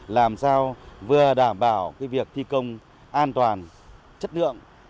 làm sao vừa đảm bảo việc thi công an toàn chất lượng